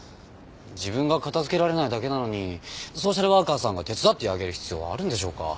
自分が片づけられないだけなのにソーシャルワーカーさんが手伝ってあげる必要あるんでしょうか？